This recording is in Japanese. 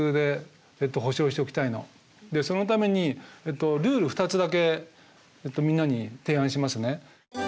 でそのためにルール２つだけみんなに提案しますね。